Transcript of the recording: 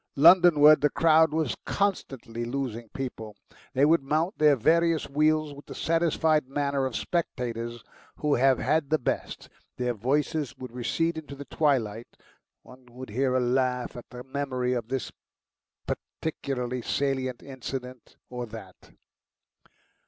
Londonward the crowd was constantly losing people; they would mount their various wheels with the satisfied manner of spectators who have had the best. Their voices would recede into the twilight; one would hear a laugh at the memory of this particularly salient incident or that.